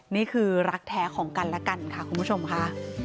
นี่คือรักแท้ของกันและกันค่ะคุณผู้ชมค่ะ